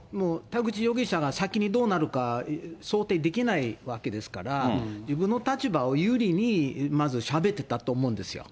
田口容疑者が先にどうなるか想定できないわけですから、自分の立場を有利にまずしゃべってたと思うんですよ。